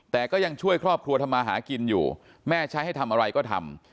แต่ก็ยังช่วยครอบครัวทำมาหากินอยู่แม่ใช้ให้ทำอะไรก็ทำ